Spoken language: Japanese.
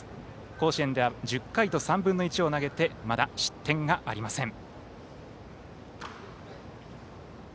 甲子園では１０回と３分の１を投げてまだ失点がありません。